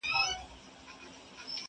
په دې پانوس کي نصیب زر ځله منلی یمه!